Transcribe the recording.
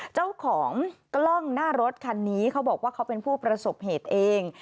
เจ้าของกล้องหน้ารถคันนี้เขาบอกว่าเขาเป็นผู้ประสบเหตุเอง